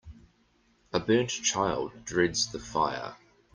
A burnt child dreads the fire.